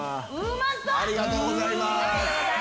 ありがとうございます。